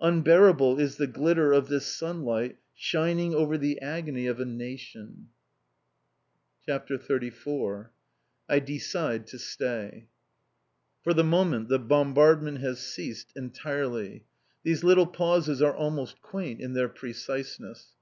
Unbearable is the glitter of this sunlight shining over the agony of a nation! CHAPTER XXXIV I DECIDE TO STAY For the moment the bombardment has ceased entirely. These little pauses are almost quaint in their preciseness.